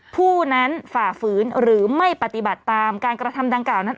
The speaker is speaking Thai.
ผู้นั้นฝ่าฝืนหรือไม่ปฏิบัติตามการกระทำดังกล่าวนั้น